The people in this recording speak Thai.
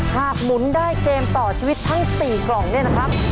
หมุนได้เกมต่อชีวิตทั้ง๔กล่องเนี่ยนะครับ